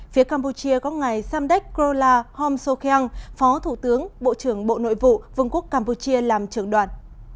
phía campuchia có ngài samdech krola homsokeang phó thủ tướng bộ trưởng bộ nội vụ vương quốc campuchia làm trưởng đoàn